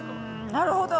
なるほど！